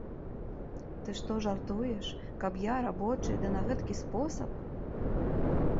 Ты што, жартуеш, каб я, рабочы, ды на гэткі спосаб.